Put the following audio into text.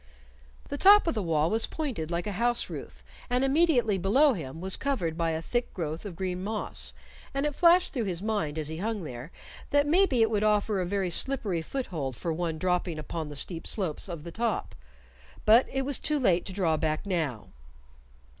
The top of the wall was pointed like a house roof, and immediately below him was covered by a thick growth of green moss, and it flashed through his mind as he hung there that maybe it would offer a very slippery foothold for one dropping upon the steep slopes of the top. But it was too late to draw back now.